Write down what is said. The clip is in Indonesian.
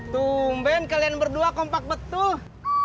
tumben kalian berdua kompak betul